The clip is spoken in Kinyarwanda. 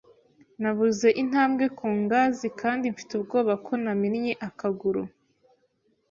Nabuze intambwe ku ngazi kandi mfite ubwoba ko namennye akaguru.